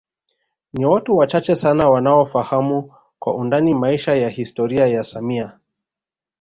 Ni watu wachache sana wanaofahamu kwa undani maisha na historia ya samia